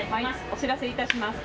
お知らせいたします。